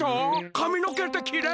かみのけってきれるの？